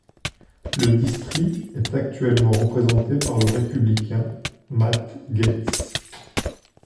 Le district est actuellement représenté par le républicain Matt Gaetz.